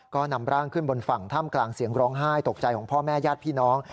ก็นำร่างขึ้นบนฝั่งถ้ำกลางเสียงร้องไห้ตกใจของพ่อแม่ญาติพี่น้อง